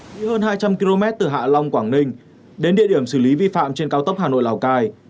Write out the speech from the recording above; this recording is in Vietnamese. đi hơn hai trăm linh km từ hạ long quảng ninh đến địa điểm xử lý vi phạm trên cao tốc hà nội lào cai